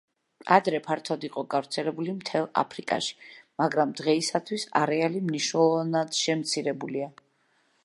ადრე ფართოდ იყო გავრცელებული მთელ აფრიკაში, მაგრამ დღეისათვის არეალი მნიშვნელოვნად შემცირებულია.